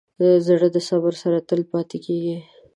زړه د صبر سره تل پاتې کېږي.